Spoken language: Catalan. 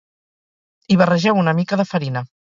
hi barregeu una mica de farina